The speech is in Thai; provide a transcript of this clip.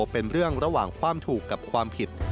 เป็นเรื่องระหว่างความถูกกับความผิด